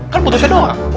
kan buntutnya doang